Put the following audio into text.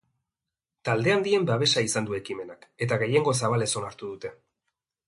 Talde handien babesa izan du ekimenak eta gehiengo zabalez onartu dute.